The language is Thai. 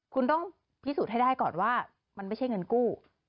คุณต้องพิสูจน์ให้ได้ก่อนว่ามันไม่ใช่เงินกู้